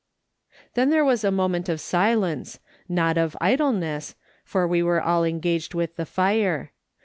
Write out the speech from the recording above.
Then there was a moment of silence, not of idle ness, for we were all engaged with the fire.